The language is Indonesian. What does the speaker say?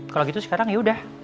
kalau gitu sekarang yaudah